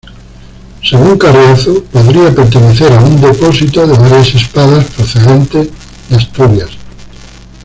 Según Carriazo podría pertenecer a un depósito de varias espadas procedente de Asturias.